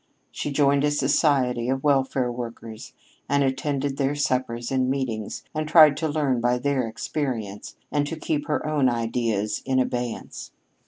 She joined a society of "welfare workers," and attended their suppers and meetings, and tried to learn by their experience and to keep her own ideas in abeyance.